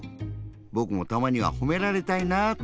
ぼくもたまにはほめられたいなあって。